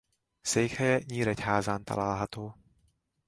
Székhelye Nyíregyházán található.